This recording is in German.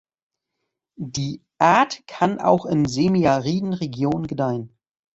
Die Art kann auch in semiariden Regionen gedeihen.